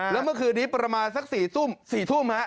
แล้วเมื่อคืนนี้ประมาณสัก๔ทุ่ม